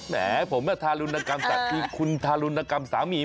แหมผมทารุณกรรมสัตว์คือคุณทารุณกรรมสามี